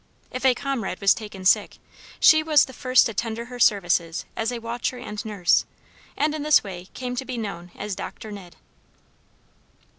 If a comrade was taken sick she was the first to tender her services as watcher and nurse, and in this way came to be known as "Doctor Ned."